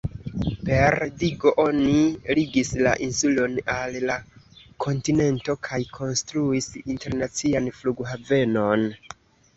Per digo oni ligis la insulon al la kontinento kaj konstruis internacian flughavenon.